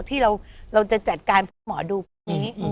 ที่เราจะจัดการพวกหมอดูพวกนี้